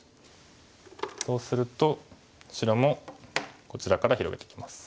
そうすると白もこちらから広げてきます。